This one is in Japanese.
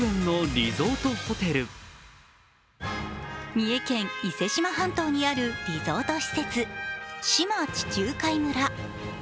三重県・伊勢志摩半島にあるリゾート施設・志摩地中海村。